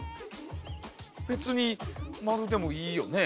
別に丸でもいいよね。